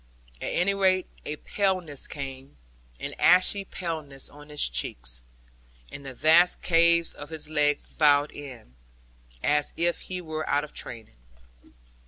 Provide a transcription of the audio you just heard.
At any rate a paleness came, an ashy paleness on his cheeks, and the vast calves of his legs bowed in, as if he were out of training.